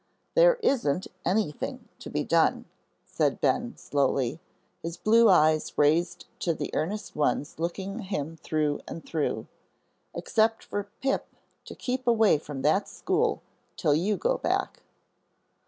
"There isn't anything to be done," said Ben, slowly, his blue eyes raised to the earnest ones looking him through and through, "except for Pip to keep away from that school till you go back."